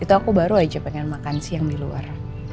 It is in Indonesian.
itu aku baru aja pengen makan siang di luar